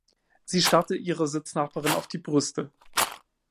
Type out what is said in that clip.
Sie starrte ihrer Sitznachbarin auf die Brüste.